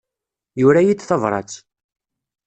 Yura-yi-d tabrat.